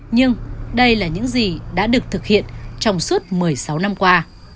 nhưng đây là những gì đã được thực hiện trong suốt một mươi sáu năm qua